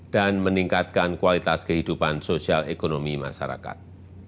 dan meningkatkan kualitas kehidupan sosial ekonomi masyarakat